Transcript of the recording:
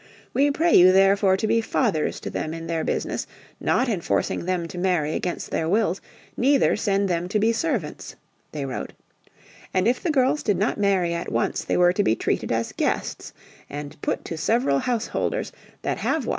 "We pray you therefore to be fathers to them in their business, not enforcing them to marry against their wills, neither send them to be servants," they wrote. And if the girls did not marry at once they were to be treated as guests and "put to several householders that have wives till they can be provided of husbands."